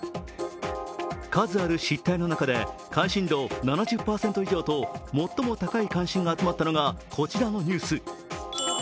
数ある失態の中で、関心度７０％以上と最も高い関心が集まったのがこちらのニュース。